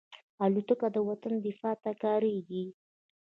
الوتکه د وطن دفاع ته کارېږي.